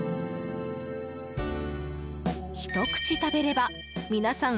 ひと口食べれば皆さん